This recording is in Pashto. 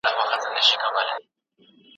موږ باید یو ځانګړی میتود وکاروو.